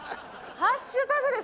ハッシュタグです